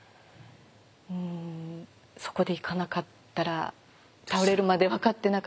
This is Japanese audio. うんそこで行かなかったら倒れるまで分かってなかったかなっていう。